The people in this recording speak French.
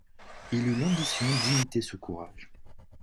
Il eut l'ambition d'imiter ce courage.